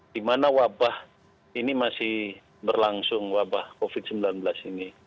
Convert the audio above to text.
di mana wabah ini masih berlangsung wabah covid sembilan belas ini